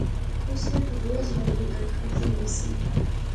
نصرت روز ناوی گل کھڈنی سی